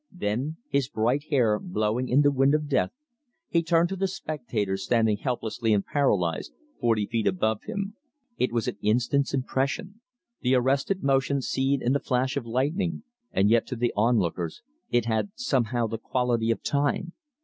Then, his bright hair blowing in the wind of death, he turned to the spectators standing helpless and paralyzed, forty feet above him. It was an instant's impression, the arrested motion seen in the flash of lightning and yet to the onlookers it had somehow the quality of time.